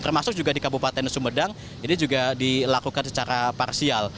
termasuk juga di kabupaten sumedang ini juga dilakukan secara parsial